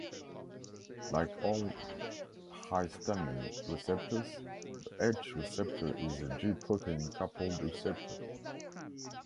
Like all histamine receptors, the H receptor is a G-protein coupled receptor.